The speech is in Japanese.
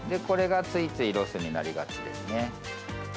これがついついロスになりがちですね。